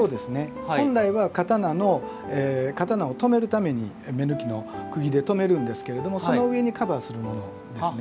本来は刀を留めるために目貫の釘で留めるんですけれどもその上にカバーするものですね。